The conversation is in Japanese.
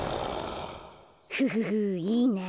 フフフいいなあ。